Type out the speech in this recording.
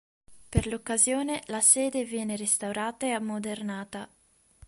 Per l'occasione la sede viene restaurata e ammodernata.